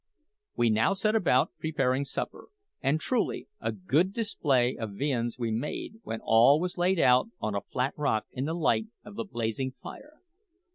We now set about preparing supper; and, truly, a good display of viands we made when all was laid out on a flat rock in the light of the blazing fire.